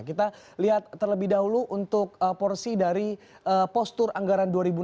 kita lihat terlebih dahulu untuk porsi dari postur anggaran dua ribu enam belas